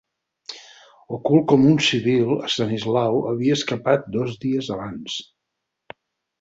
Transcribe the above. Ocult com un civil Estanislau havia escapat dos dies abans.